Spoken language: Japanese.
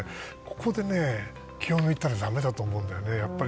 ここで気を抜いたらだめだと思うんだよね。